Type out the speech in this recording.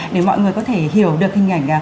để mọi người có thể hiểu được hình ảnh